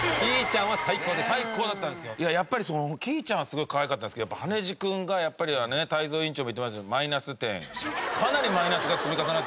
いややっぱりそのキィーちゃんはすごいかわいかったんですけど羽地君がやっぱりね泰造委員長も言ってましたけどマイナス点かなりマイナスが積み重なってて。